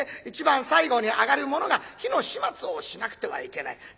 一番最後に上がる者が火の始末をしなくてはいけない。